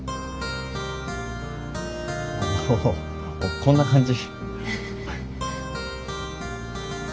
おおこんな感じ。